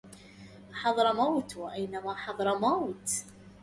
حضرموت وأينما حضرموت